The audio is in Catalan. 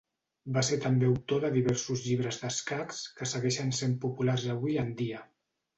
Va ser també autor de diversos llibres d'escacs que segueixen sent populars avui en dia.